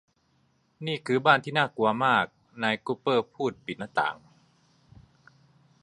นี่คือบ้านที่น่ากลัวมากนายกุปเปอร์พูดปิดหน้าต่าง